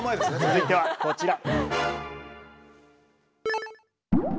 続いてはこちら。